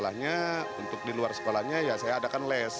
masalahnya untuk di luar sekolahnya ya saya adakan les